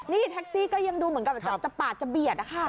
นี่แท็กซี่ก็ยังดูเหมือนกับจะปาดจะเบียดนะคะ